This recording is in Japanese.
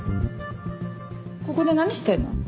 ここで何してるの？